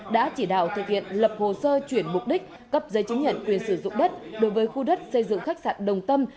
đã chỉ đạo thực hiện lập hồ sơ chuyển mục đích cấp giấy chứng nhận quyền sử dụng đất đối với khu đất xây dựng khách sạn đồng tâm